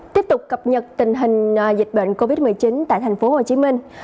tiếp tục cập nhật tình hình dịch bệnh covid một mươi chín tại thành phố hồ chí minh